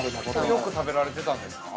◆よく食べられていたんですか。